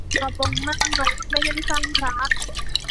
กระโปรงหน้ารถไม่ได้สร้างพระ